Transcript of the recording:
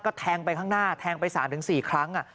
ก็แทงไปข้างหน้าแทงไป๓๔ครั้ง